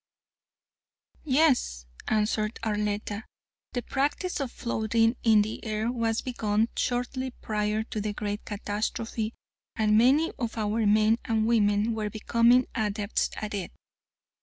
"Yes," answered Arletta, "the practice of floating in the air was begun shortly prior to the great catastrophe and many of our men and women were becoming adepts at it.